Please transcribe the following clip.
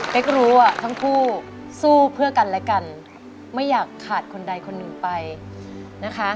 รู้ว่าทั้งคู่สู้เพื่อกันและกันไม่อยากขาดคนใดคนหนึ่งไปนะคะ